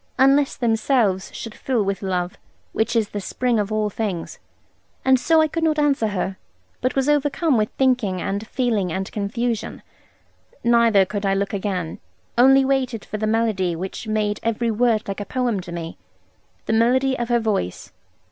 Unless themselves should fill with love, which is the spring of all things. And so I could not answer her, but was overcome with thinking and feeling and confusion. Neither could I look again; only waited for the melody which made every word like a poem to me, the melody of her voice.